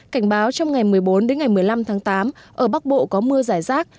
cảnh báo trong ngày một mươi bốn đến ngày một mươi năm tháng tám ở bắc bộ có mưa giải rác